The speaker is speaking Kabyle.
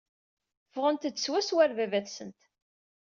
Ffɣent-d swaswa ɣer baba-tsent.